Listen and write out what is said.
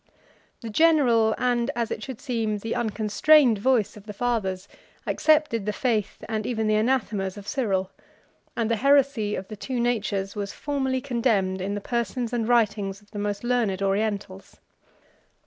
The general, and, as it should seem, the unconstrained voice of the fathers, accepted the faith and even the anathemas of Cyril; and the heresy of the two natures was formally condemned in the persons and writings of the most learned Orientals.